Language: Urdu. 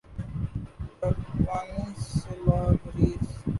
جاپانی سیلابریز